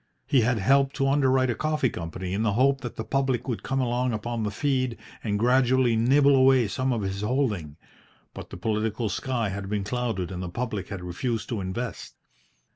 He had helped to underwrite a coffee company in the hope that the public would come along upon the feed and gradually nibble away some of his holding, but the political sky had been clouded and the public had refused to invest.